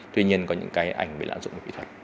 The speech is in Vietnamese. tuy nhiên có những cái ảnh bị lãng dụng bởi kỹ thuật